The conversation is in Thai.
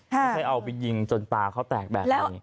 ไม่ใช่เอาไปยิงจนตาเขาแตกแบบนี้